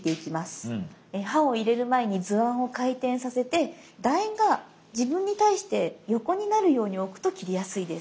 刃を入れる前に図案を回転させてだ円が自分に対して横になるように置くと切りやすいです。